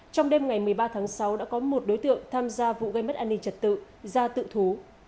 trong đêm ngày một mươi ba tháng sáu đã có một đối tượng tham gia vụ gây mất an ninh trật tự ra tự thú